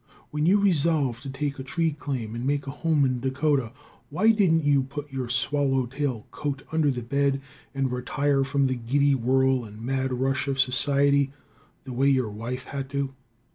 When you resolved to take a tree claim and make a home in Dakota, why didn't you put your swallow tail coat under the bed and retire from the giddy whirl and mad rush of society, the way your wife had to?